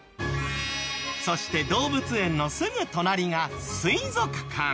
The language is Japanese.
そして動物園のすぐ隣が水族館。